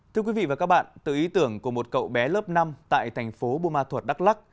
thưa quý vị và các bạn từ ý tưởng của một cậu bé lớp năm tại thành phố bumathuot đắk lắc